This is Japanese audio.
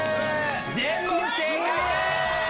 全問正解です。